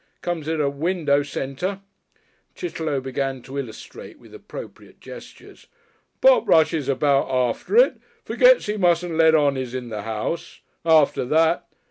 Comes in at window, centre." Chitterlow began to illustrate with appropriate gestures. "Pop rushes about after it. Forgets he mustn't let on he's in the house. After that